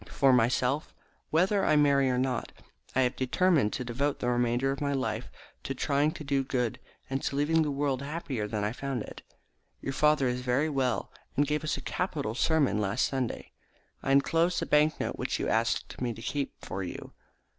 For myself, whether I marry or not, I have determined to devote the remainder of my life to trying to do good, and to leaving the world happier than I found it. Your father is very well, and gave us a capital sermon last Sunday. I enclose the bank note which you asked me to keep for you.